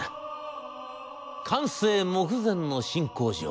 完成目前の新工場。